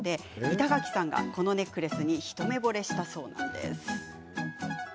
板垣さんが、このネックレスに一目ぼれしたんです。